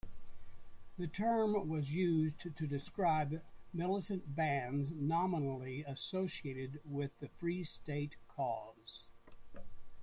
The term was used to describe militant bands nominally associated with the free-state cause.